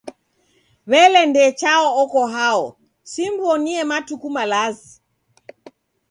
Wele Ndee Chao oko hao? Simw'onie matuku malazi.